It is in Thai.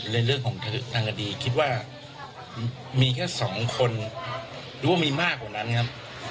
ในเรื่องของทางคดีคิดว่ามีแค่สองคนหรือว่ามีมากกว่านั้นครับ